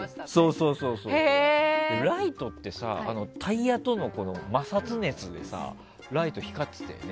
ライトってタイヤとの摩擦熱でライト、光ってたよね？